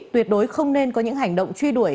tuyệt đối không nên có những hành động truy đuổi